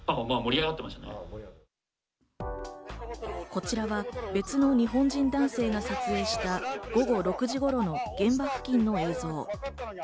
こちらは別の日本人男性が撮影した午後６時頃の現場付近の映像。